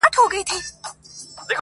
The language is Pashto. نه به تر لاندي تش کړو جامونه -